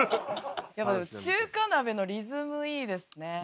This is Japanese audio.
やっぱでも中華鍋のリズムいいですね。